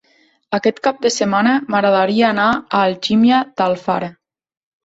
Aquest cap de setmana m'agradaria anar a Algímia d'Alfara.